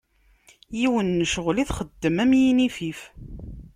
Yiwen n ccɣxel ay txeddem am inifif.